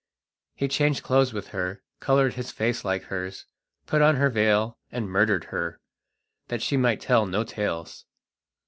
He changed clothes with her, coloured his face like hers, put on her veil and murdered her, that she might tell no tales.